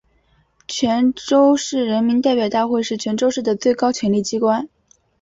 泉州市人民代表大会是泉州市的最高权力机关。